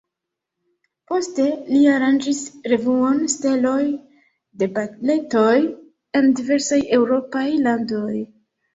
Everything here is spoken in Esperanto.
Poste li aranĝis revuon "Steloj de baletoj" en diversaj eŭropaj landoj.